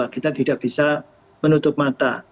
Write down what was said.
kita tidak bisa menutup mata